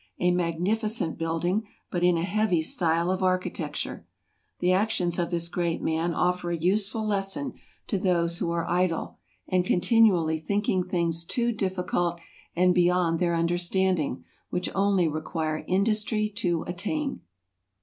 A magnificent building, but in a heavy style of architecture. The actions of this great man offer a useful lesson to those who are idle, and continually thinking things too difficult, and beyond their understanding, which only require industry to attain.